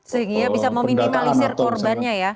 sehingga bisa meminimalisir korbannya ya